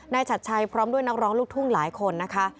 ชัดชัยพร้อมด้วยนักร้องลูกทุ่งหลายคนนะคะ